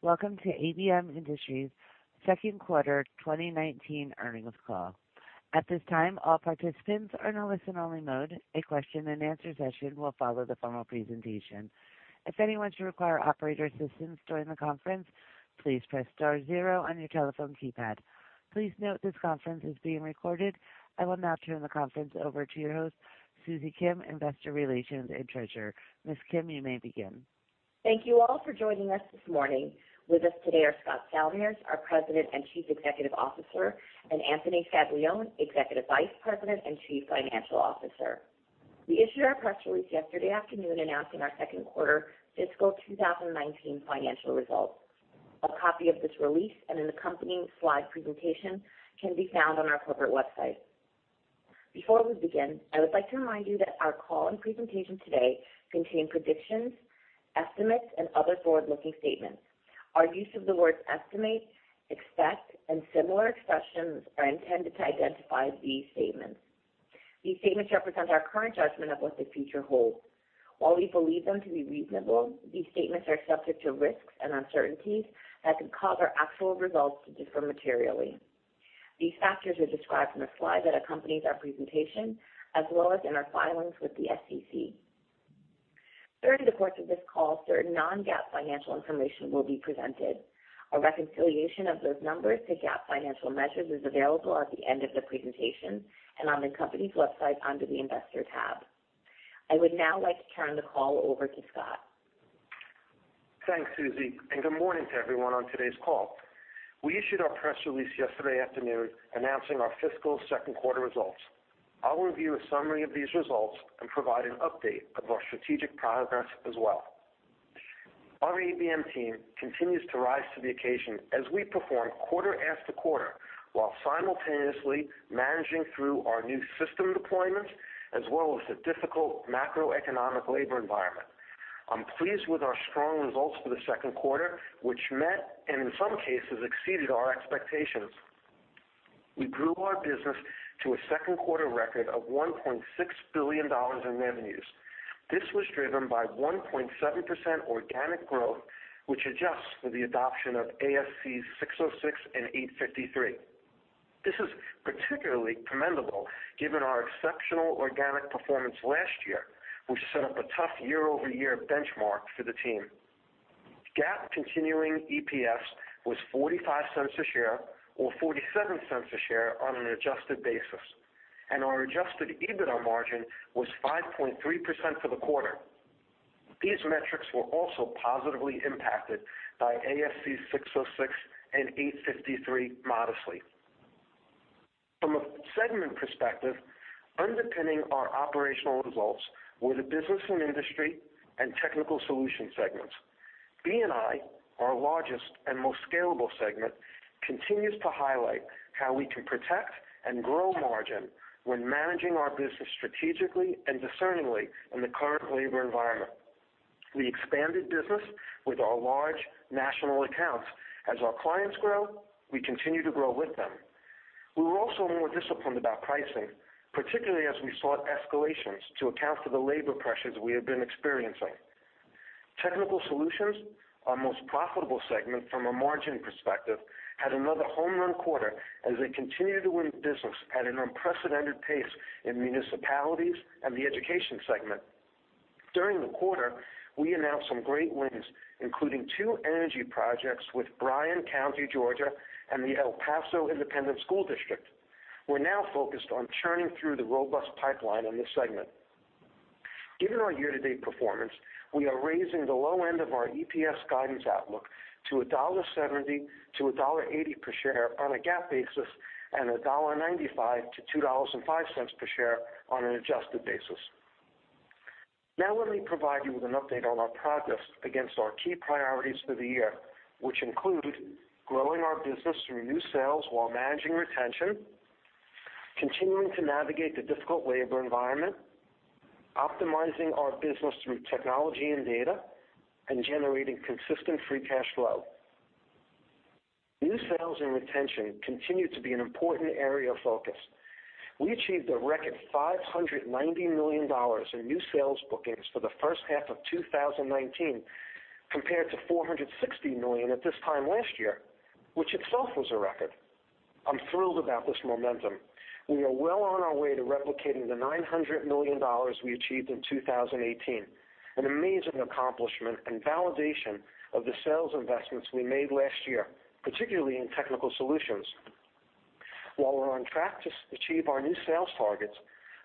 Welcome to ABM Industries Second Quarter 2019 Earnings Call. At this time, all participants are in a listen-only mode. A question-and-answer session will follow the formal presentation. If anyone should require operator assistance during the conference, please press star zero on your telephone keypad. Please note this conference is being recorded. I will now turn the conference over to your host, Susie Kim, Investor Relations and Treasurer. Ms. Kim, you may begin. Thank you all for joining us this morning. With us today are Scott Salmirs, our President and Chief Executive Officer, and Anthony Scaglione, Executive Vice President and Chief Financial Officer. We issued our press release yesterday afternoon announcing our second quarter fiscal 2019 financial results. A copy of this release and an accompanying slide presentation can be found on our corporate website. Before we begin, I would like to remind you that our call and presentation today contain predictions, estimates, and other forward-looking statements. Our use of the words "estimate," "expect," and similar expressions are intended to identify these statements. These statements represent our current judgment of what the future holds. While we believe them to be reasonable, these statements are subject to risks and uncertainties that could cause our actual results to differ materially. These factors are described in the slide that accompanies our presentation, as well as in our filings with the SEC. During the course of this call, certain non-GAAP financial information will be presented. A reconciliation of those numbers to GAAP financial measures is available at the end of the presentation and on the company's website under the Investor tab. I would now like to turn the call over to Scott. Thanks, Susie. Good morning to everyone on today's call. We issued our press release yesterday afternoon announcing our fiscal second quarter results. I'll review a summary of these results and provide an update of our strategic progress as well. Our ABM team continues to rise to the occasion as we perform quarter after quarter, while simultaneously managing through our new system deployments as well as the difficult macroeconomic labor environment. I'm pleased with our strong results for the second quarter, which met and in some cases exceeded our expectations. We grew our business to a second quarter record of $1.6 billion in revenues. This was driven by 1.7% organic growth, which adjusts for the adoption of ASC 606 and 853. This is particularly commendable given our exceptional organic performance last year, which set up a tough year-over-year benchmark for the team. GAAP continuing EPS was $0.45 per share or $0.47 per share on an adjusted basis, and our adjusted EBITDA margin was 5.3% for the quarter. These metrics were also positively impacted by ASC 606 and ASC 853 modestly. From a segment perspective, underpinning our operational results were the Business & Industry and Technical Solutions segments. B&I, our largest and most scalable segment, continues to highlight how we can protect and grow margin when managing our business strategically and discerningly in the current labor environment. We expanded business with our large national accounts. As our clients grow, we continue to grow with them. We were also more disciplined about pricing, particularly as we sought escalations to account for the labor pressures we have been experiencing. Technical Solutions, our most profitable segment from a margin perspective, had another home-run quarter as they continue to win business at an unprecedented pace in municipalities and the education segment. During the quarter, we announced some great wins, including two energy projects with Bryan County, Georgia, and the El Paso Independent School District. We're now focused on churning through the robust pipeline on this segment. Given our year-to-date performance, we are raising the low end of our EPS guidance outlook to $1.70 to $1.80 per share on a GAAP basis and $1.95 to $2.05 per share on an adjusted basis. Let me provide you with an update on our progress against our key priorities for the year, which include growing our business through new sales while managing retention, continuing to navigate the difficult labor environment, optimizing our business through technology and data, and generating consistent free cash flow. New sales and retention continue to be an important area of focus. We achieved a record $590 million in new sales bookings for the first half of 2019 compared to $460 million at this time last year, which itself was a record. I'm thrilled about this momentum. We are well on our way to replicating the $900 million we achieved in 2018, an amazing accomplishment and validation of the sales investments we made last year, particularly in Technical Solutions. While we're on track to achieve our new sales targets,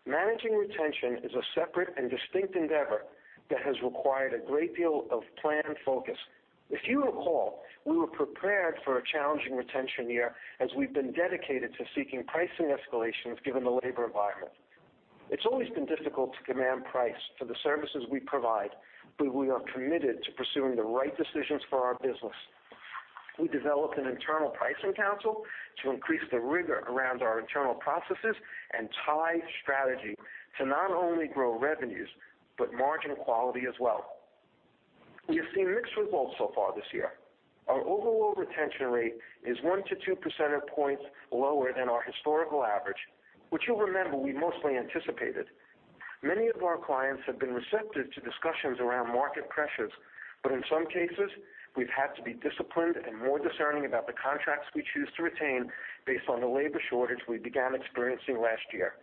managing retention is a separate and distinct endeavor that has required a great deal of plan focus. If you recall, we were prepared for a challenging retention year as we've been dedicated to seeking pricing escalations given the labor environment. It's always been difficult to command price for the services we provide. We are committed to pursuing the right decisions for our business. We developed an internal pricing council to increase the rigor around our internal processes and tie strategy to not only grow revenues, but margin quality as well. We have seen mixed results so far this year. Our overall retention rate is one to two percentage points lower than our historical average, which you'll remember we mostly anticipated. Many of our clients have been receptive to discussions around market pressures, in some cases, we've had to be disciplined and more discerning about the contracts we choose to retain based on the labor shortage we began experiencing last year.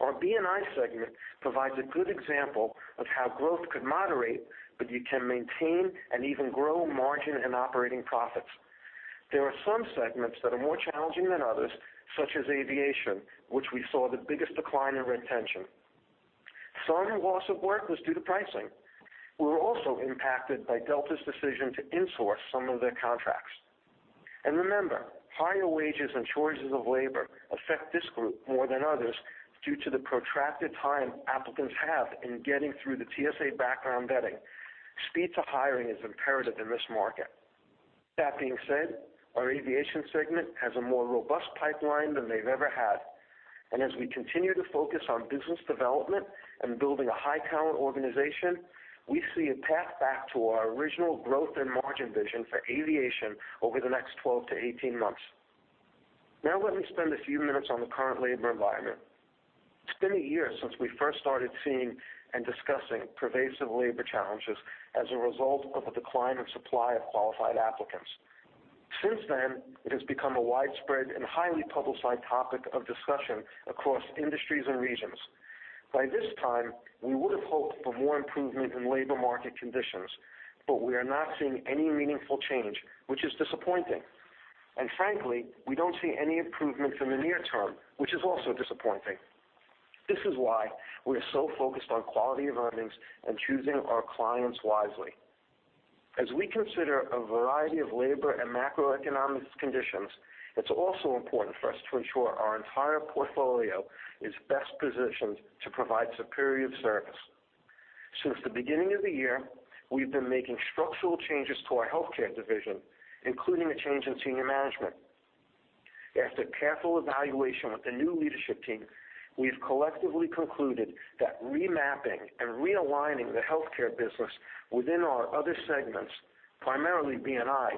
Our B&I segment provides a good example of how growth could moderate, but you can maintain and even grow margin and operating profits. There are some segments that are more challenging than others, such as aviation, which we saw the biggest decline in retention. Some loss of work was due to pricing. We're also impacted by Delta's decision to insource some of their contracts. Remember, higher wages and choices of labor affect this group more than others due to the protracted time applicants have in getting through the TSA background vetting. Speed to hiring is imperative in this market. That being said, our aviation segment has a more robust pipeline than they've ever had. As we continue to focus on business development and building a high-talent organization, we see a path back to our original growth and margin vision for aviation over the next 12 to 18 months. Now let me spend a few minutes on the current labor environment. It's been a year since we first started seeing and discussing pervasive labor challenges as a result of the decline of supply of qualified applicants. Since then, it has become a widespread and highly publicized topic of discussion across industries and regions. By this time, we would have hoped for more improvement in labor market conditions, we are not seeing any meaningful change, which is disappointing. Frankly, we don't see any improvements in the near term, which is also disappointing. This is why we are so focused on quality of earnings and choosing our clients wisely. As we consider a variety of labor and macroeconomic conditions, it's also important for us to ensure our entire portfolio is best positioned to provide superior service. Since the beginning of the year, we've been making structural changes to our healthcare division, including a change in senior management. After careful evaluation with the new leadership team, we've collectively concluded that remapping and realigning the healthcare business within our other segments, primarily B&I,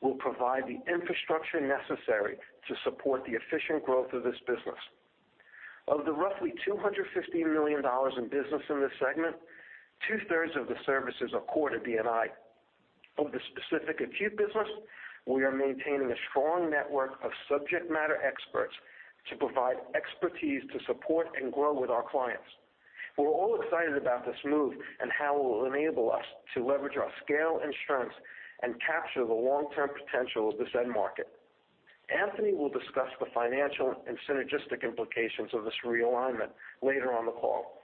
will provide the infrastructure necessary to support the efficient growth of this business. Of the roughly $250 million in business in this segment, two-thirds of the services are core to B&I. Of the specific acute business, we are maintaining a strong network of subject matter experts to provide expertise to support and grow with our clients. We're all excited about this move and how it will enable us to leverage our scale and strengths and capture the long-term potential of this end market. Anthony will discuss the financial and synergistic implications of this realignment later on the call.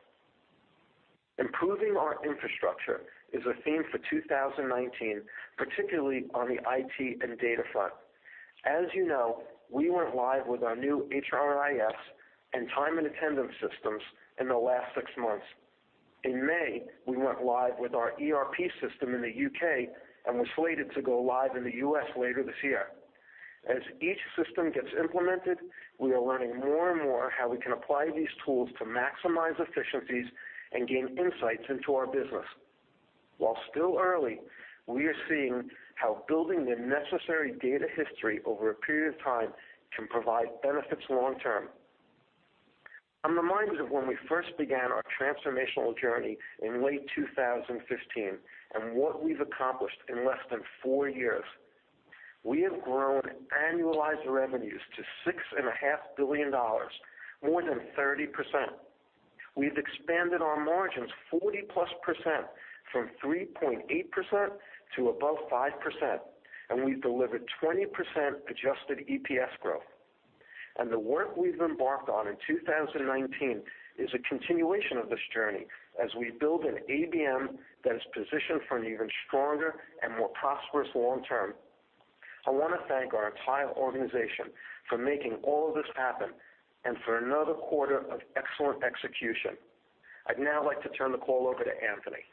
Improving our infrastructure is a theme for 2019, particularly on the IT and data front. As you know, we went live with our new HRIS and time and attendance systems in the last six months. In May, we went live with our ERP system in the U.K. and we're slated to go live in the U.S. later this year. As each system gets implemented, we are learning more and more how we can apply these tools to maximize efficiencies and gain insights into our business. While still early, we are seeing how building the necessary data history over a period of time can provide benefits long term. I'm reminded of when we first began our transformational journey in late 2015 and what we've accomplished in less than four years. We have grown annualized revenues to $6.5 billion, more than 30%. We've expanded our margins 40-plus percent from 3.8% to above 5%, we've delivered 20% adjusted EPS growth. The work we've embarked on in 2019 is a continuation of this journey as we build an ABM that is positioned for an even stronger and more prosperous long term. I want to thank our entire organization for making all of this happen and for another quarter of excellent execution. I'd now like to turn the call over to Anthony.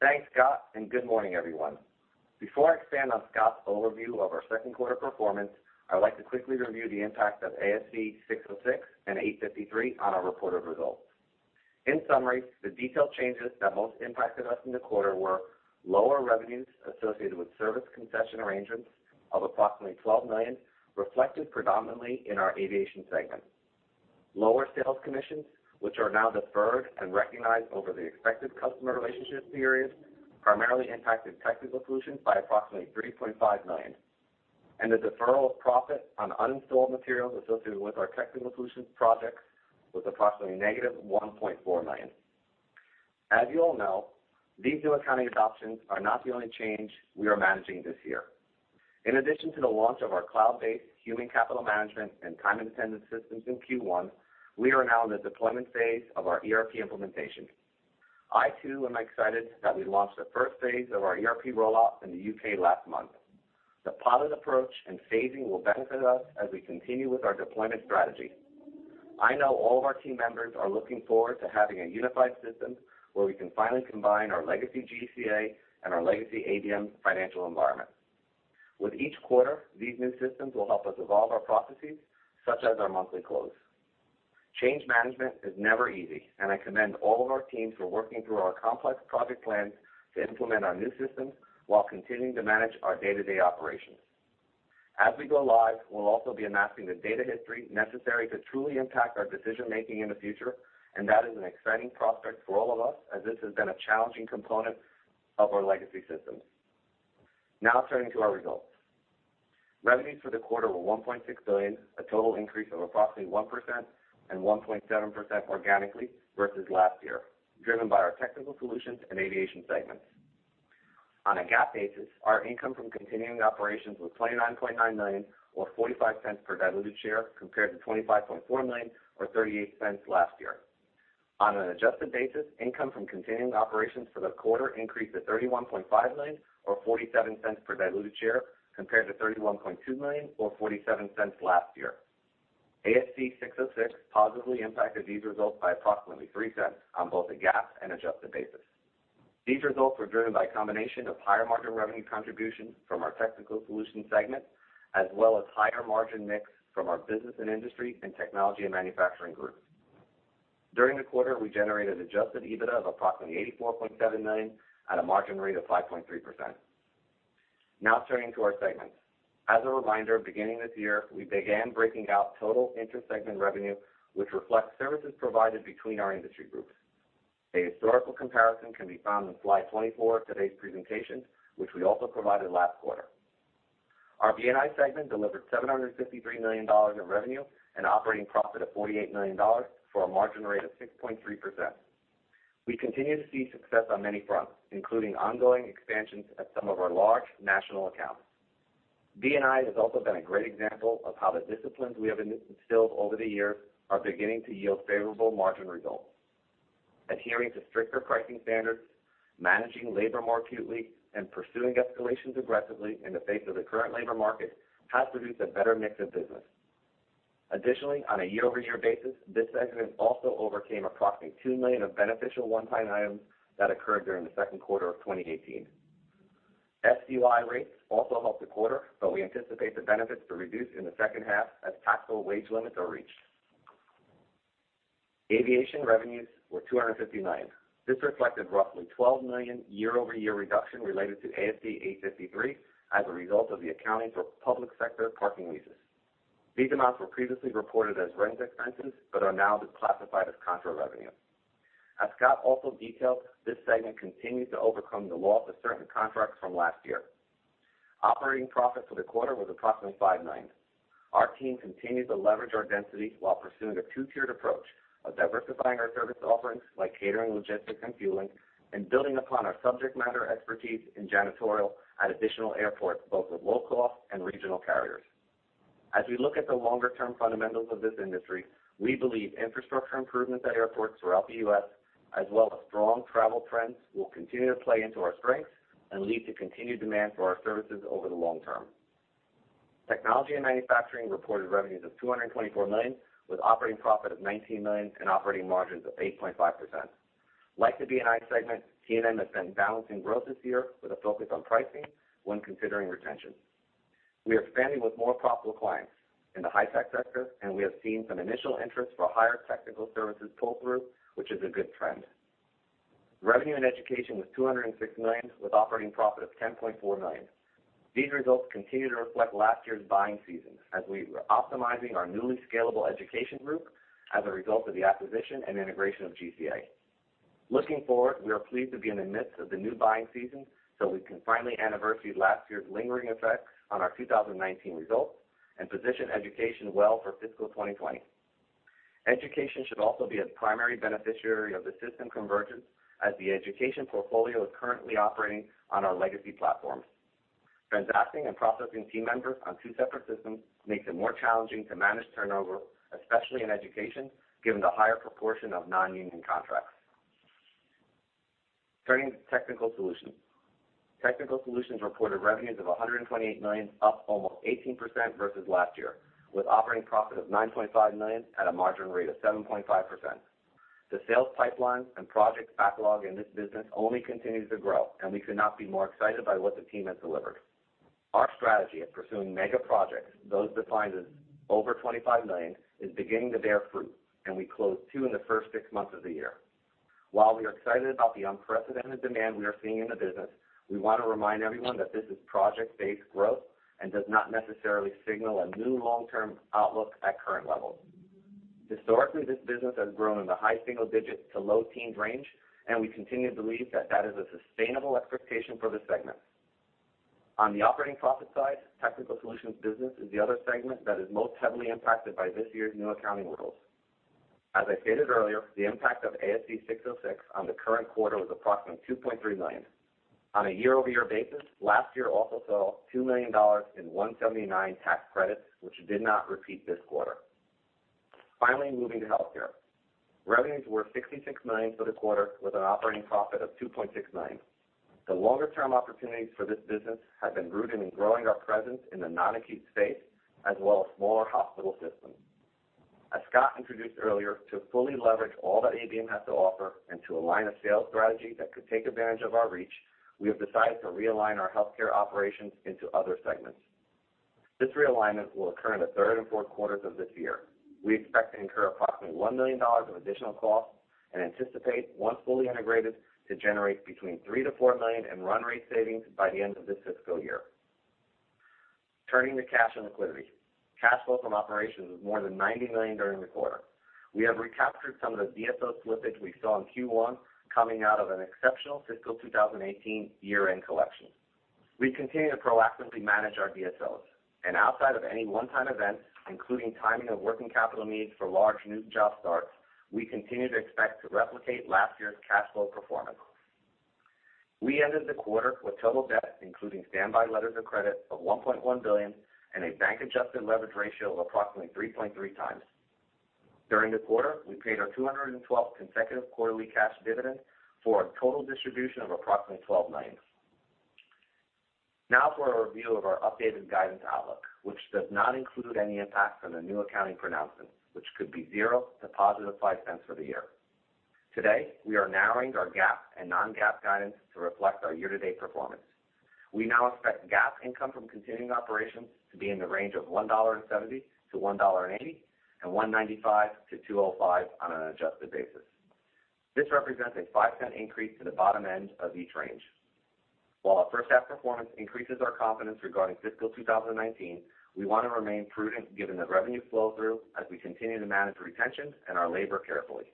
Thanks, Scott, good morning, everyone. Before I expand on Scott's overview of our second quarter performance, I would like to quickly review the impact of ASC 606 and 853 on our reported results. In summary, the detailed changes that most impacted us in the quarter were lower revenues associated with service concession arrangements of approximately $12 million, reflected predominantly in our aviation segment. Lower sales commissions, which are now deferred and recognized over the expected customer relationship period, primarily impacted Technical Solutions by approximately $3.5 million. The deferral of profit on uninstalled materials associated with our Technical Solutions projects was approximately negative $1.4 million. As you all know, these new accounting adoptions are not the only change we are managing this year. In addition to the launch of our cloud-based human capital management and time and attendance systems in Q1, we are now in the deployment phase of our ERP implementation. I, too, am excited that we launched the first phase of our ERP rollout in the U.K. last month. The pilot approach and phasing will benefit us as we continue with our deployment strategy. I know all of our team members are looking forward to having a unified system where we can finally combine our legacy GCA and our legacy ABM financial environment. With each quarter, these new systems will help us evolve our processes, such as our monthly close. Change management is never easy. I commend all of our teams for working through our complex project plans to implement our new systems while continuing to manage our day-to-day operations. As we go live, we'll also be amassing the data history necessary to truly impact our decision-making in the future. That is an exciting prospect for all of us as this has been a challenging component of our legacy systems. Now turning to our results. Revenues for the quarter were $1.6 billion, a total increase of approximately 1% and 1.7% organically versus last year, driven by our Technical Solutions and aviation segments. On a GAAP basis, our income from continuing operations was $29.9 million or $0.45 per diluted share compared to $25.4 million or $0.38 last year. On an adjusted basis, income from continuing operations for the quarter increased to $31.5 million or $0.47 per diluted share compared to $31.2 million or $0.47 last year. ASC 606 positively impacted these results by approximately $0.03 on both a GAAP and adjusted basis. These results were driven by a combination of higher-margin revenue contributions from our Technical Solutions segment, as well as higher margin mix from our Business & Industry and Technology & Manufacturing groups. During the quarter, we generated adjusted EBITDA of approximately $84.7 million at a margin rate of 5.3%. Turning to our segments. As a reminder, beginning this year, we began breaking out total inter-segment revenue, which reflects services provided between our industry groups. A historical comparison can be found on slide 24 of today's presentation, which we also provided last quarter. Our B&I segment delivered $753 million in revenue and operating profit of $48 million for a margin rate of 6.3%. We continue to see success on many fronts, including ongoing expansions at some of our large national accounts. B&I has also been a great example of how the disciplines we have instilled over the years are beginning to yield favorable margin results. Adhering to stricter pricing standards, managing labor more acutely, and pursuing escalations aggressively in the face of the current labor market has produced a better mix of business. Additionally, on a year-over-year basis, this segment also overcame approximately $2 million of beneficial one-time items that occurred during the second quarter of 2018. SUI rates also helped the quarter, but we anticipate the benefits to reduce in the second half as taxable wage limits are reached. Aviation revenues were $250 million. This reflected roughly $12 million year-over-year reduction related to ASC 853 as a result of the accounting for public sector parking leases. These amounts were previously reported as rent expenses but are now declassified as contra revenue. As Scott also detailed, this segment continues to overcome the loss of certain contracts from last year. Operating profit for the quarter was approximately $5 million. Our team continues to leverage our density while pursuing a two-tiered approach of diversifying our service offerings like catering, logistics, and fueling, and building upon our subject matter expertise in janitorial at additional airports, both with low-cost and regional carriers. As we look at the longer-term fundamentals of this industry, we believe infrastructure improvements at airports throughout the U.S., as well as strong travel trends, will continue to play into our strengths and lead to continued demand for our services over the long term. Technology & Manufacturing reported revenues of $224 million, with operating profit of $19 million and operating margins of 8.5%. Like the B&I segment, T&M has been balancing growth this year with a focus on pricing when considering retention. We are expanding with more profitable clients in the high-tech sector, and we have seen some initial interest for higher technical services pull through, which is a good trend. Revenue in education was $206 million, with operating profit of $10.4 million. These results continue to reflect last year's buying season, as we were optimizing our newly scalable education group as a result of the acquisition and integration of GCA. Looking forward, we are pleased to be in the midst of the new buying season so we can finally anniversary last year's lingering effect on our 2019 results and position education well for fiscal 2020. Education should also be a primary beneficiary of the system convergence as the education portfolio is currently operating on our legacy platforms. Transacting and processing team members on two separate systems makes it more challenging to manage turnover, especially in education, given the higher proportion of non-union contracts. Turning to Technical Solutions. Technical Solutions reported revenues of $128 million, up almost 18% versus last year, with operating profit of $9.5 million at a margin rate of 7.5%. The sales pipeline and project backlog in this business only continues to grow, and we could not be more excited by what the team has delivered. Our strategy of pursuing mega projects, those defined as over $25 million, is beginning to bear fruit, and we closed two in the first six months of the year. While we are excited about the unprecedented demand we are seeing in the business, we want to remind everyone that this is project-based growth and does not necessarily signal a new long-term outlook at current levels. Historically, this business has grown in the high single digits to low teens range, and we continue to believe that that is a sustainable expectation for the segment. On the operating profit side, Technical Solutions business is the other segment that is most heavily impacted by this year's new accounting rules. As I stated earlier, the impact of ASC 606 on the current quarter was approximately $2.3 million. On a year-over-year basis, last year also saw $2 million in 179 tax credits, which did not repeat this quarter. Finally, moving to healthcare. Revenues were $66 million for the quarter with an operating profit of $2.6 million. The longer-term opportunities for this business have been rooted in growing our presence in the non-acute space, as well as smaller hospital systems. As Scott introduced earlier, to fully leverage all that ABM has to offer and to align a sales strategy that could take advantage of our reach, we have decided to realign our healthcare operations into other segments. This realignment will occur in the third and fourth quarters of this year. We expect to incur approximately $1 million of additional costs and anticipate, once fully integrated, to generate between $3 million-$4 million in run rate savings by the end of this fiscal year. Turning to cash and liquidity. Cash flow from operations was more than $90 million during the quarter. We have recaptured some of the DSO slippage we saw in Q1, coming out of an exceptional fiscal 2018 year-end collection. Outside of any one-time event, including timing of working capital needs for large new job starts, we continue to expect to replicate last year's cash flow performance. We ended the quarter with total debt, including standby letters of credit, of $1.1 billion and a bank adjusted leverage ratio of approximately 3.3 times. During the quarter, we paid our 212th consecutive quarterly cash dividend for a total distribution of approximately $12 million. Now for a review of our updated guidance outlook, which does not include any impact from the new accounting pronouncement, which could be $0-$0.05 for the year. Today, we are narrowing our GAAP and non-GAAP guidance to reflect our year-to-date performance. We now expect GAAP income from continuing operations to be in the range of $1.70 to $1.80, and $1.95 to $2.05 on an adjusted basis. This represents a $0.05 increase to the bottom end of each range. While our first half performance increases our confidence regarding FY 2019, we want to remain prudent given the revenue flow-through as we continue to manage retention and our labor carefully.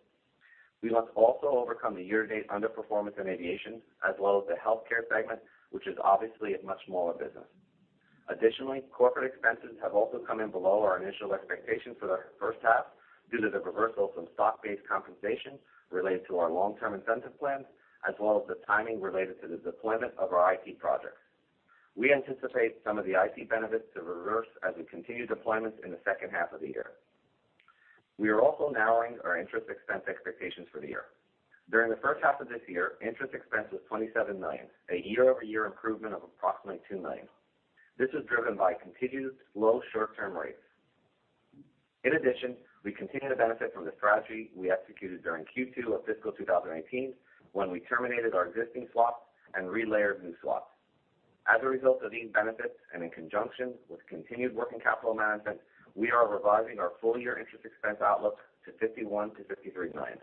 We must also overcome the year-to-date underperformance in aviation as well as the healthcare segment, which is obviously a much smaller business. Additionally, corporate expenses have also come in below our initial expectations for the first half due to the reversal from stock-based compensation related to our long-term incentive plans, as well as the timing related to the deployment of our IT projects. We anticipate some of the IT benefits to reverse as we continue deployment in the second half of the year. We are also narrowing our interest expense expectations for the year. During the first half of this year, interest expense was $27 million, a year-over-year improvement of approximately $2 million. This was driven by continued low short-term rates. In addition, we continue to benefit from the strategy we executed during Q2 of FY 2018, when we terminated our existing swaps and relayered new swaps. As a result of these benefits, and in conjunction with continued working capital management, we are revising our full-year interest expense outlook to $51 million-$53 million.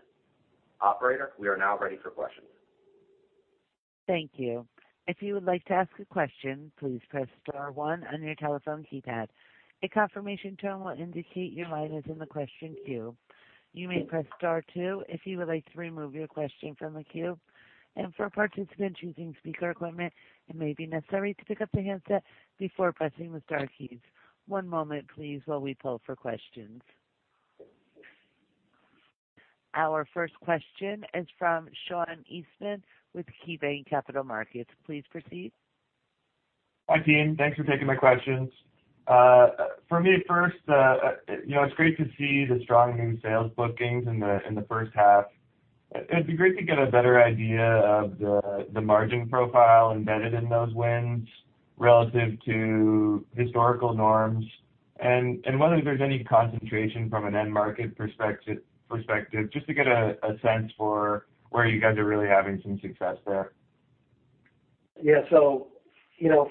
Operator, we are now ready for questions. Thank you. If you would like to ask a question, please press star one on your telephone keypad. A confirmation tone will indicate your line is in the question queue. You may press star two if you would like to remove your question from the queue. For participants using speaker equipment, it may be necessary to pick up the handset before pressing the star keys. One moment please, while we poll for questions. Our first question is from Sean Eastman with KeyBanc Capital Markets. Please proceed. Hi, team. Thanks for taking my questions. For me, first, it's great to see the strong new sales bookings in the first half. It'd be great to get a better idea of the margin profile embedded in those wins relative to historical norms, and whether there's any concentration from an end market perspective, just to get a sense for where you guys are really having some success there. Yeah.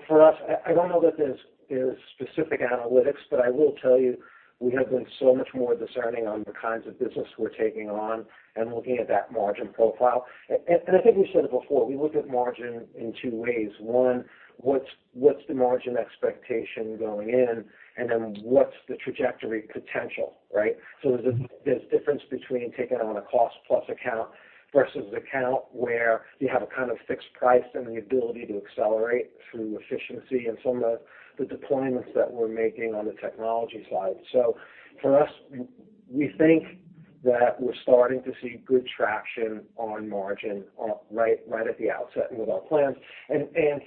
For us, I don't know that there's specific analytics, but I will tell you, we have been so much more discerning on the kinds of business we're taking on and looking at that margin profile. I think we've said it before, we look at margin in two ways. One, what's the margin expectation going in? What's the trajectory potential, right? There's difference between taking on a cost-plus account versus account where you have a kind of fixed price and the ability to accelerate through efficiency and some of the deployments that we're making on the technology side. For us, we think that we're starting to see good traction on margin right at the outset with our plans.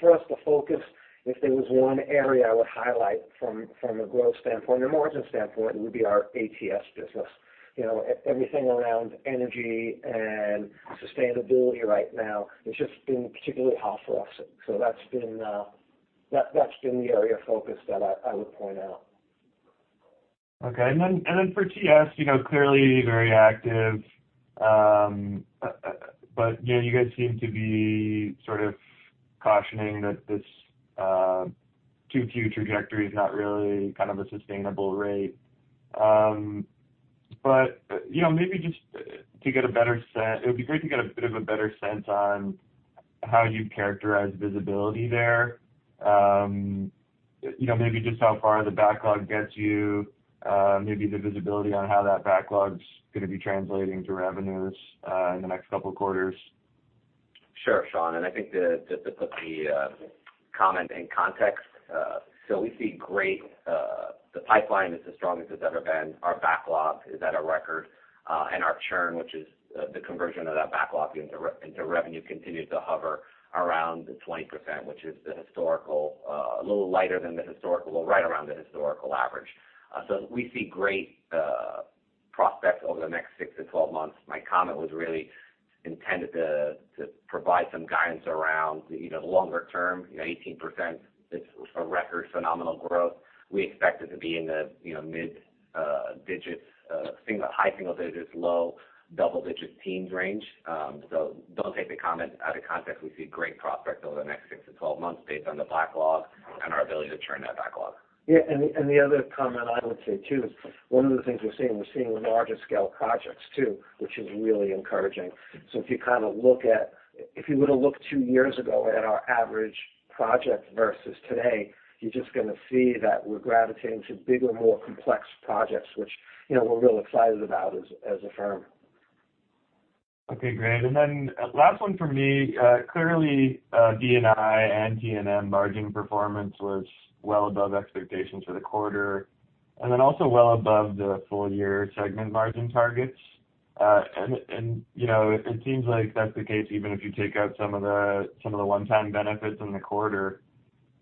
For us to focus, if there was one area I would highlight from a growth standpoint or margin standpoint, it would be our ATS business. Everything around energy and sustainability right now has just been particularly hot for us. That's been the area of focus that I would point out. Okay. For TS, clearly very active. You guys seem to be sort of cautioning that this Q2 trajectory is not really a sustainable rate. Maybe it would be great to get a bit of a better sense on how you characterize visibility there. Maybe just how far the backlog gets you, maybe the visibility on how that backlog's going to be translating to revenues in the next couple of quarters. Sure, Sean. I think just to put the comment in context, The pipeline is as strong as it's ever been. Our backlog is at a record. Our churn, which is the conversion of that backlog into revenue, continues to hover around the 20%, which is a little lighter than the historical Well, right around the historical average. We see great prospects over the next 6-12 months. My comment was really intended to provide some guidance around the longer term, 18%, it's a record phenomenal growth. We expect it to be in the mid-digits, high single digits, low double-digit teens range. Don't take the comment out of context. We see great prospects over the next 6-12 months based on the backlog and our ability to churn that backlog. The other comment I would say, too, one of the things we're seeing, we're seeing larger scale projects, too, which is really encouraging. If you were to look two years ago at our average project versus today, you're just going to see that we're gravitating to bigger, more complex projects, which we're real excited about as a firm. Okay, great. Last one for me. Clearly, B&I and T&M margin performance was well above expectations for the quarter, also well above the full year segment margin targets. It seems like that's the case even if you take out some of the one-time benefits in the quarter.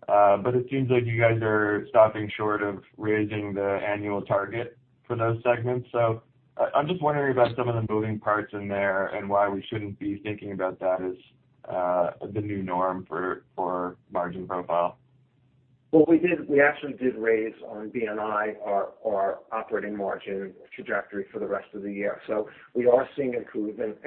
It seems like you guys are stopping short of raising the annual target for those segments. I'm just wondering about some of the moving parts in there and why we shouldn't be thinking about that as the new norm for margin profile. Well, we actually did raise on B&I our operating margin trajectory for the rest of the year. We are seeing improvement.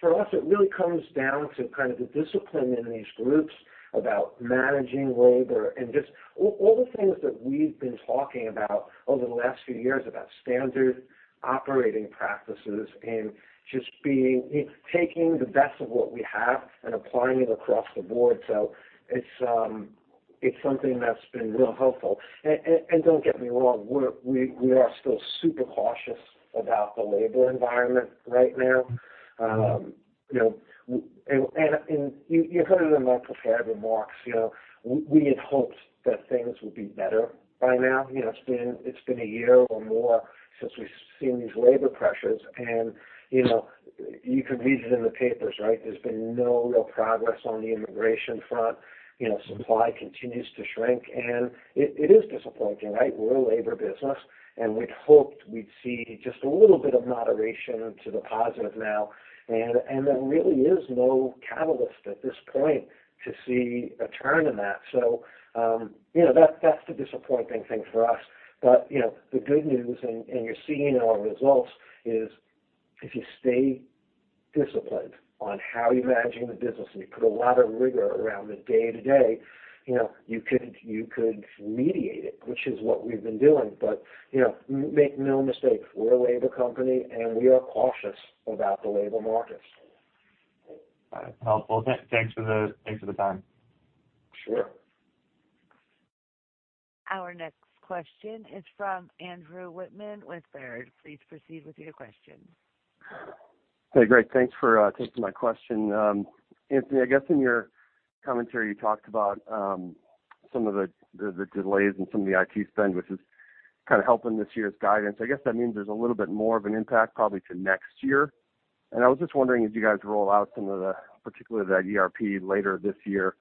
For us, it really comes down to kind of the discipline in these groups about managing labor and just all the things that we've been talking about over the last few years, about standard operating practices and just taking the best of what we have and applying it across the board. It's something that's been real helpful. Don't get me wrong, we are still super cautious about the labor environment right now. You heard it in my prepared remarks, we had hoped that things would be better by now. It's been a year or more since we've seen these labor pressures, and you can read it in the papers, right? There's been no real progress on the immigration front. Supply continues to shrink, it is disappointing, right? We're a labor business, we'd hoped we'd see just a little bit of moderation to the positive now. There really is no catalyst at this point to see a turn in that. That's the disappointing thing for us. The good news, you're seeing in our results, is if you stay disciplined on how you're managing the business, you put a lot of rigor around the day-to-day, you could mediate it, which is what we've been doing. Make no mistake, we're a labor company, we are cautious about the labor markets. All right. Helpful. Thanks for the time. Sure. Our next question is from Andrew Wittmann with Baird. Please proceed with your question. Hey, great. Thanks for taking my question. Anthony, I guess in your commentary, you talked about some of the delays in some of the IT spend, which is kind of helping this year's guidance. I guess that means there's a little bit more of an impact probably to next year. I was just wondering as you guys roll out some of the, particularly that ERP later this year,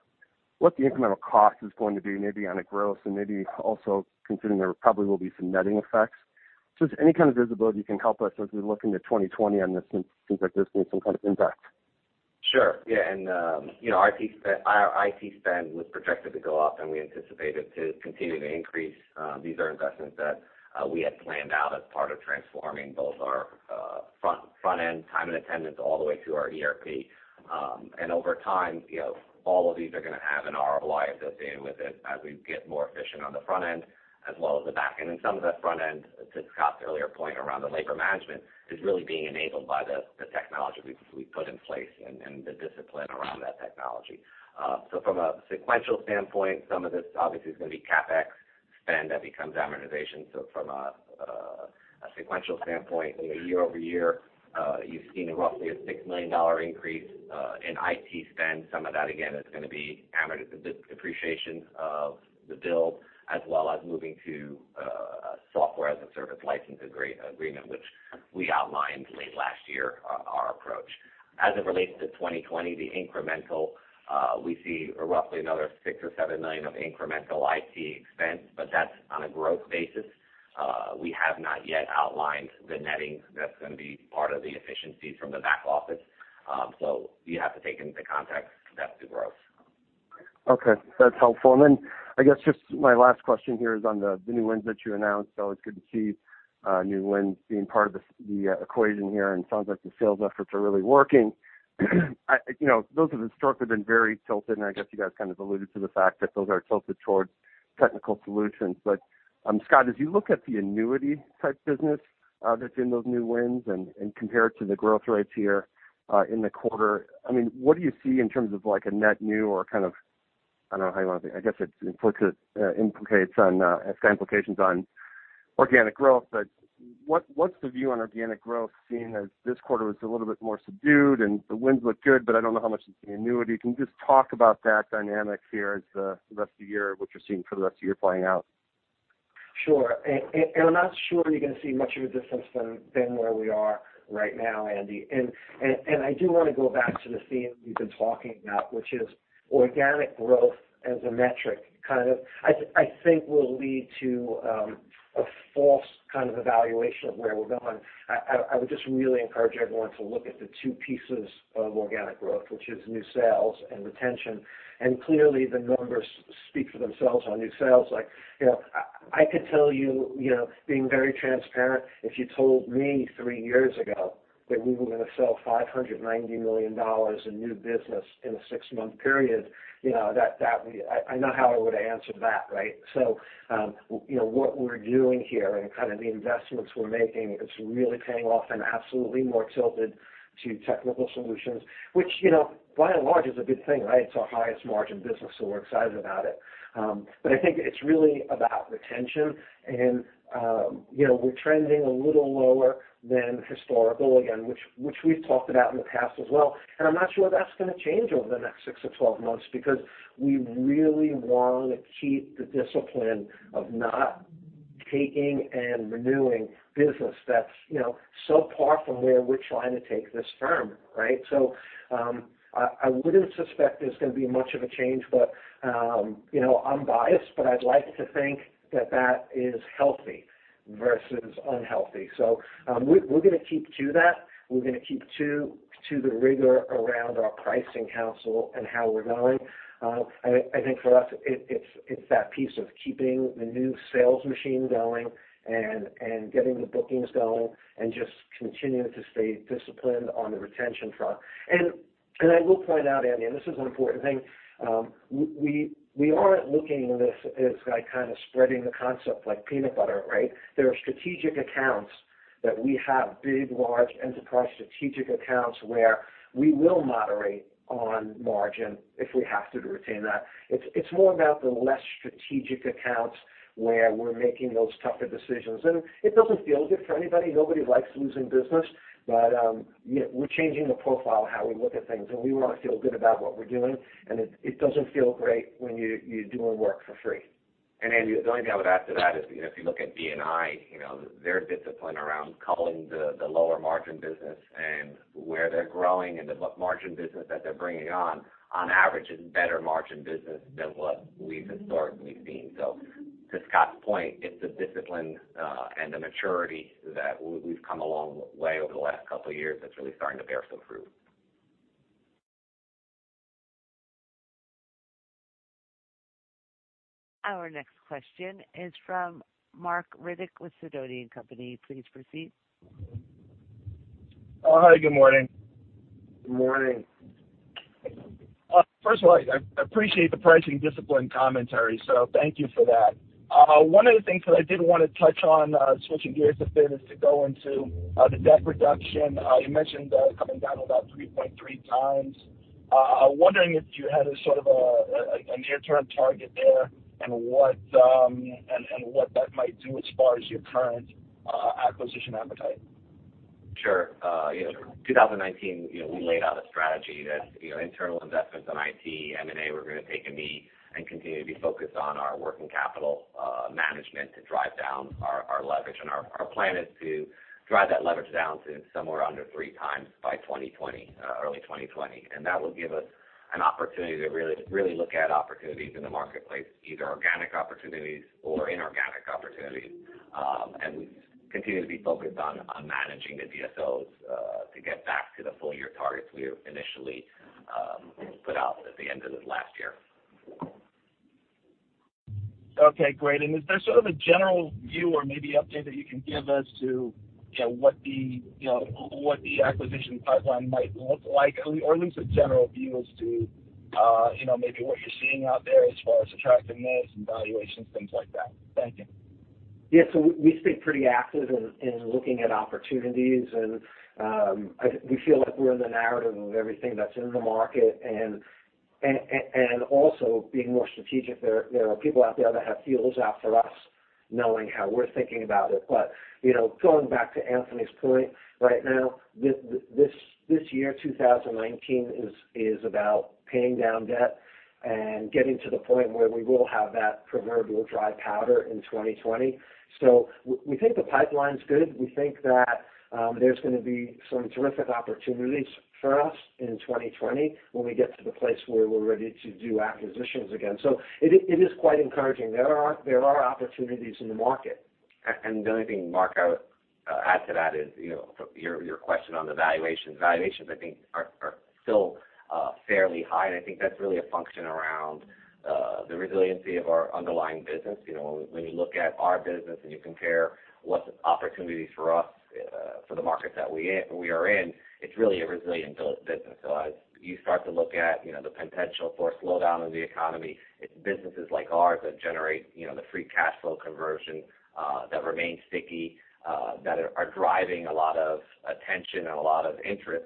what the incremental cost is going to be, maybe on a gross and maybe also considering there probably will be some netting effects. Just any kind of visibility you can help us as we look into 2020 on this, since it seems like there's been some kind of impact. Sure. Yeah. Our IT spend was projected to go up, and we anticipate it to continue to increase. These are investments that we had planned out as part of transforming both our front end time and attendance all the way to our ERP. Over time, all of these are going to have an ROI associated with it as we get more efficient on the front end as well as the back end. Some of that front end, to Scott's earlier point around the labor management, is really being enabled by the technology we put in place and the discipline around that technology. From a sequential standpoint, some of this obviously is going to be CapEx spend that becomes amortization. From a sequential standpoint, year over year, you've seen roughly a $6 million increase in IT spend. Some of that, again, is going to be depreciation of the build, as well as moving to a software as a service license agreement, which we outlined late last year, our approach. As it relates to 2020, the incremental, we see roughly another $6 million or $7 million of incremental IT expense, but that's on a growth basis. We have not yet outlined the netting that's going to be part of the efficiency from the back office. You have to take into context that's the growth. Okay. That's helpful. I guess just my last question here is on the new wins that you announced. It's good to see new wins being part of the equation here, and sounds like the sales efforts are really working. Those historically have been very tilted, and I guess you guys kind of alluded to the fact that those are tilted towards Technical Solutions. Scott, as you look at the annuity type business that's in those new wins and compare it to the growth rates here in the quarter, what do you see in terms of like a net new or kind of, I don't know how you want to think. I guess it has implications on organic growth. What's the view on organic growth, seeing as this quarter was a little bit more subdued and the wins look good, but I don't know how much is the annuity. Can you just talk about that dynamic here as the rest of the year, what you're seeing for the rest of the year playing out? Sure. I'm not sure you're going to see much of a difference from than where we are right now, Andy. I do want to go back to the theme you've been talking about, which is organic growth as a metric kind of, I think will lead to a false kind of evaluation of where we're going. I would just really encourage everyone to look at the two pieces of organic growth, which is new sales and retention. Clearly, the numbers speak for themselves on new sales. I could tell you, being very transparent, if you told me three years ago that we were going to sell $590 million in new business in a six-month period, I know how I would answer that, right? What we're doing here and kind of the investments we're making is really paying off and absolutely more tilted to Technical Solutions, which by and large is a good thing, right? It's our highest margin business, so we're excited about it. I think it's really about retention. We're trending a little lower than historical, again, which we've talked about in the past as well. I'm not sure that's going to change over the next 6 to 12 months because we really want to keep the discipline of not taking and renewing business that's so far from where we're trying to take this firm. Right? I wouldn't suspect there's going to be much of a change. I'm biased, but I'd like to think that is healthy versus unhealthy. We're going to keep to that. We're going to keep to the rigor around our pricing council and how we're going. I think for us, it's that piece of keeping the new sales machine going and getting the bookings going and just continuing to stay disciplined on the retention front. I will point out, Andy, and this is an important thing. We aren't looking at this as spreading the concept like peanut butter. Right? There are strategic accounts that we have, big, large enterprise strategic accounts, where we will moderate on margin if we have to retain that. It's more about the less strategic accounts where we're making those tougher decisions, and it doesn't feel good for anybody. Nobody likes losing business. We're changing the profile of how we look at things, and we want to feel good about what we're doing, and it doesn't feel great when you're doing work for free. Andy, the only thing I would add to that is, if you look at B&I, their discipline around culling the lower margin business and where they're growing and the margin business that they're bringing on average is better margin business than what we've historically seen. To Scott's point, it's the discipline and the maturity that we've come a long way over the last couple of years that's really starting to bear some fruit. Our next question is from Marc Riddick with Sidoti & Company. Please proceed. Hi. Good morning. Good morning. First of all, I appreciate the pricing discipline commentary, thank you for that. One of the things that I did want to touch on, switching gears a bit, is to go into the debt reduction. You mentioned coming down to about 3.3 times. I'm wondering if you had a sort of a near-term target there and what that might do as far as your current acquisition appetite. Sure. 2019, we laid out a strategy that internal investments on IT, M&A were going to take a knee and continue to be focused on our working capital management to drive down our leverage. Our plan is to drive that leverage down to somewhere under three times by 2020, early 2020. That will give us an opportunity to really look at opportunities in the marketplace, either organic opportunities or inorganic opportunities. We continue to be focused on managing the DSO, to get back to the full-year targets we initially put out at the end of this last year. Okay, great. Is there sort of a general view or maybe update that you can give us to what the acquisition pipeline might look like, or at least a general view as to maybe what you're seeing out there as far as attractiveness and valuations, things like that? Thank you. Yeah. We stay pretty active in looking at opportunities, and we feel like we're in the narrative of everything that's in the market, and also being more strategic. There are people out there that have feelers out for us, knowing how we're thinking about it. Going back to Anthony's point, right now, this year, 2019, is about paying down debt and getting to the point where we will have that proverbial dry powder in 2020. We think the pipeline's good. We think that there's going to be some terrific opportunities for us in 2020 when we get to the place where we're ready to do acquisitions again. It is quite encouraging. There are opportunities in the market. The only thing, Marc, I would add to that is your question on the valuations. Valuations, I think, are still fairly high, and I think that's really a function around the resiliency of our underlying business. When you look at our business and you compare what's an opportunity for us for the markets that we are in, it's really a resilient business. As you start to look at the potential for a slowdown of the economy, it's businesses like ours that generate the free cash flow conversion, that remain sticky, that are driving a lot of attention and a lot of interest,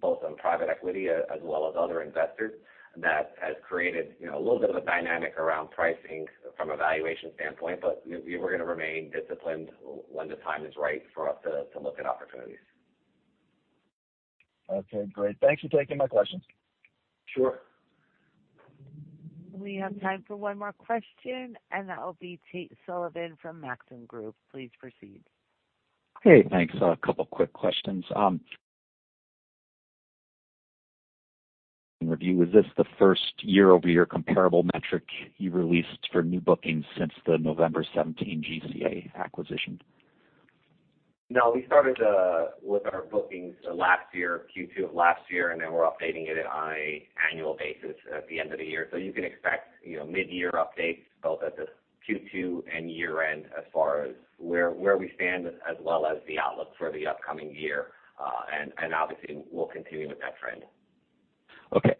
both on private equity as well as other investors. That has created a little bit of a dynamic around pricing from a valuation standpoint, but we're going to remain disciplined when the time is right for us to look at opportunities. Okay, great. Thanks for taking my questions. Sure. We have time for one more question, and that will be Tate Sullivan from Maxim Group. Please proceed. Hey, thanks. A couple quick questions. In review, is this the first year-over-year comparable metric you released for new bookings since the November 2017 GCA acquisition? No, we started with our bookings last year, Q2 of last year, then we're updating it on an annual basis at the end of the year. You can expect mid-year updates both at the Q2 and year-end as far as where we stand, as well as the outlook for the upcoming year. Obviously, we'll continue with that trend. Okay.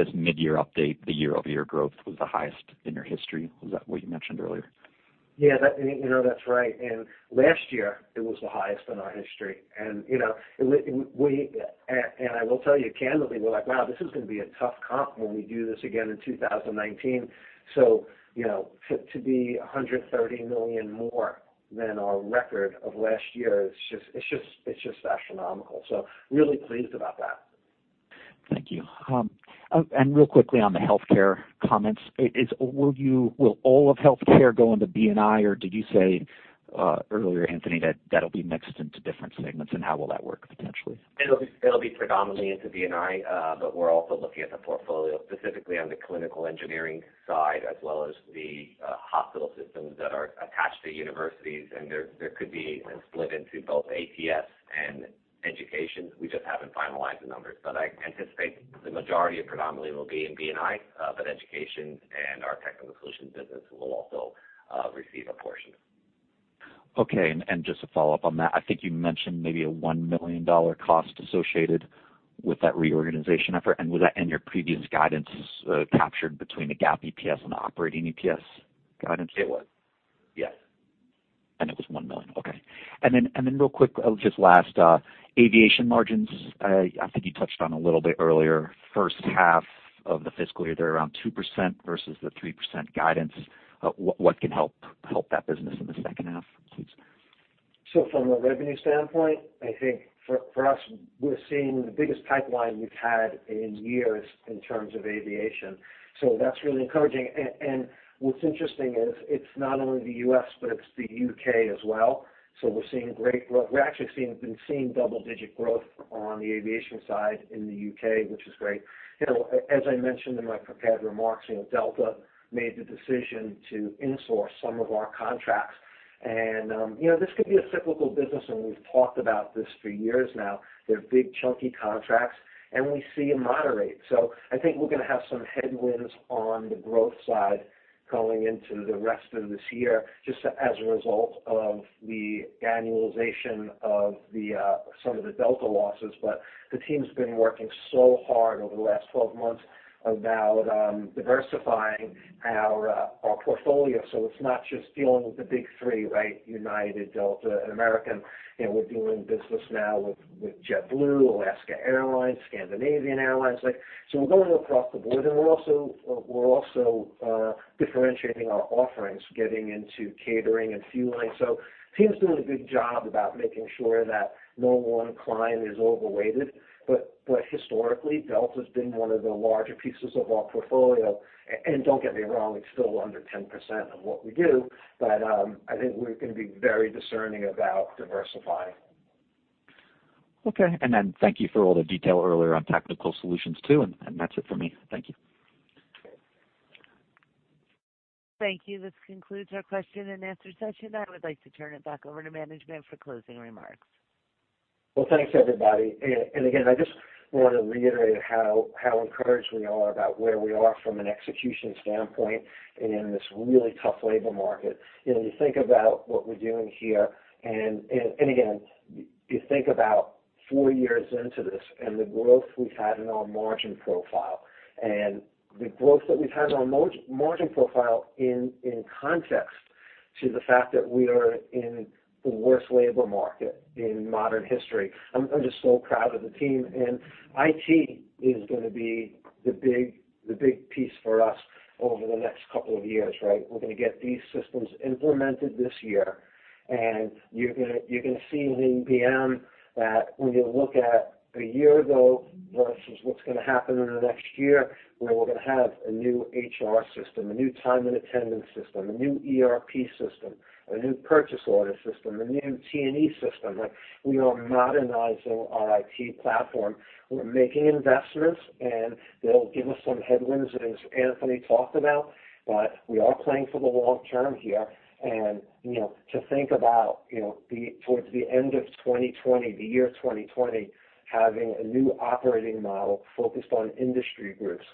This mid-year update, the year-over-year growth was the highest in your history. Was that what you mentioned earlier? Yeah. That's right. Last year, it was the highest in our history. I will tell you candidly, we're like, "Wow, this is going to be a tough comp when we do this again in 2019." To be $130 million more than our record of last year, it's just astronomical. Really pleased about that. Thank you. Real quickly on the healthcare comments, will all of healthcare go into B&I, or did you say earlier, Anthony, that will be mixed into different segments, and how will that work potentially? It will be predominantly into B&I, but we are also looking at the portfolio, specifically on the clinical engineering side, as well as the hospital systems that are attached to universities. There could be a split into both ATS and education. We just have not finalized the numbers. I anticipate the majority predominantly will be in B&I, but education and our Technical Solutions business will also receive a portion. Okay. Just to follow up on that, I think you mentioned maybe a $1 million cost associated with that reorganization effort, your previous guidance is captured between the GAAP EPS and the operating EPS guidance? It was. Yes. It was $1 million, okay. Real quick, just last, aviation margins. I think you touched on a little bit earlier, first half of the fiscal year, they're around 2% versus the 3% guidance. What can help that business in the second half? From a revenue standpoint, I think for us, we're seeing the biggest pipeline we've had in years in terms of aviation. That's really encouraging. What's interesting is it's not only the U.S., but it's the U.K. as well. We're seeing great growth. We're actually seeing double-digit growth on the aviation side in the U.K., which is great. As I mentioned in my prepared remarks, Delta made the decision to in-source some of our contracts. This could be a cyclical business, and we've talked about this for years now. They're big, chunky contracts, and we see a moderate. I think we're going to have some headwinds on the growth side going into the rest of this year, just as a result of the annualization of some of the Delta losses. The team's been working so hard over the last 12 months about diversifying our portfolio. It's not just dealing with the big three, United, Delta, and American Airlines. We're doing business now with JetBlue, Alaska Airlines, Scandinavian Airlines. We're going across the board, and we're also differentiating our offerings, getting into catering and fueling. The team's doing a good job about making sure that no one client is overweighted. Historically, Delta's been one of the larger pieces of our portfolio. Don't get me wrong, it's still under 10% of what we do. I think we're going to be very discerning about diversifying. Okay. Thank you for all the detail earlier on Technical Solutions, too. That's it for me. Thank you. Thank you. This concludes our question-and-answer session. I would like to turn it back over to management for closing remarks. Well, thanks, everybody. Again, I just want to reiterate how encouraged we are about where we are from an execution standpoint in this really tough labor market. You think about what we're doing here, and again, you think about four years into this and the growth we've had in our margin profile, and the growth that we've had in our margin profile in context to the fact that we are in the worst labor market in modern history. I'm just so proud of the team. IT is going to be the big piece for us over the next couple of years. We're going to get these systems implemented this year. You're going to see iPM that when you look at a year ago versus what's going to happen in the next year, where we're going to have a new HR system, a new time and attendance system, a new ERP system, a new purchase order system, a new T&E system. We are modernizing our IT platform. We're making investments, and they'll give us some headwinds, as Anthony talked about. We are playing for the long term here. To think about towards the end of 2020, the year 2020, having a new operating model focused on industry groups.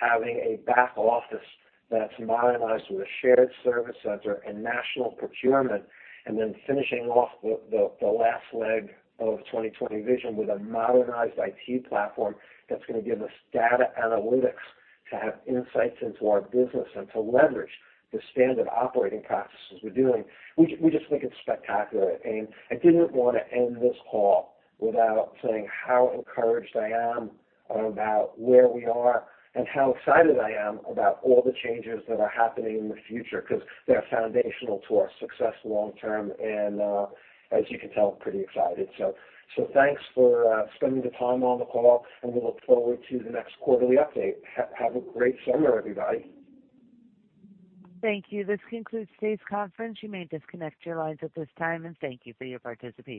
Having a back office that's modernized with a shared service center and national procurement, then finishing off the last leg of 2020 Vision with a modernized IT platform that's going to give us data analytics to have insights into our business and to leverage the standard operating practices we're doing. We just think it's spectacular. I didn't want to end this call without saying how encouraged I am about where we are and how excited I am about all the changes that are happening in the future because they're foundational to our success long term. As you can tell, I'm pretty excited. Thanks for spending the time on the call, and we look forward to the next quarterly update. Have a great summer, everybody. Thank you. This concludes today's conference. You may disconnect your lines at this time, and thank you for your participation.